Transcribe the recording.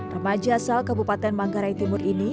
remaja asal kabupaten manggarai timur ini